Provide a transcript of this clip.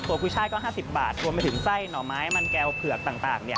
กุ้ยช่ายก็๕๐บาทรวมไปถึงไส้หน่อไม้มันแก้วเผือกต่าง